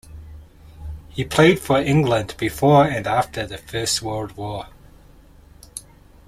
He played for England before and after the First World War.